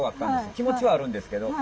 気持ちはあるんですけど。